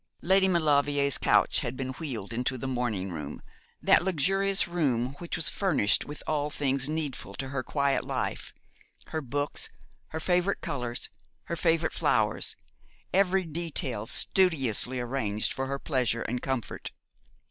Lady Maulevrier's couch had been wheeled into the morning room that luxurious room which was furnished with all things needful to her quiet life, her books, her favourite colours, her favourite flowers, every detail studiously arranged for her pleasure and comfort.